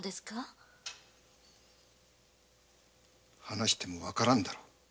話してもわからんだろう。